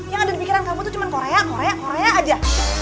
yang ada di pikiran kamu tuh cuma korea korea aja